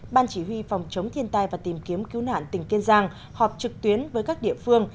ban chỉ huy phòng chống thiên tai và tìm kiếm cứu nạn tỉnh kiên giang họp trực tuyến với các địa phương